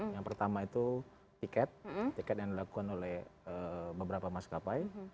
yang pertama itu tiket tiket yang dilakukan oleh beberapa maskapai